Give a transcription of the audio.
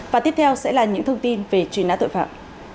và tiếp theo sẽ là những thông tin về nạn nhân